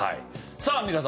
さあアンミカさん。